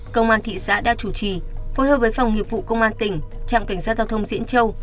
công an thị xã đã chủ trì phối hợp với phòng nghiệp vụ công an tỉnh trạm cảnh sát giao thông diễn châu